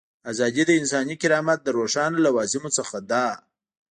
ازادي د انساني کرامت له روښانه لوازمو څخه ده.